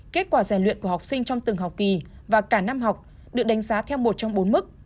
kết quả rèn luyện của học sinh trong từng học kỳ và cả năm học được đánh giá theo một trong bốn mức